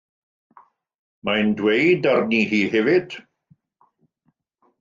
Mae'n dweud arni hi hefyd.